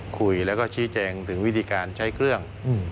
คุยแล้วก็ชี้แจงถึงวิธีการใช้เครื่อง